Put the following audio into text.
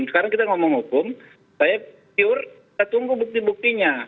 sekarang kita ngomong hukum saya pure kita tunggu bukti buktinya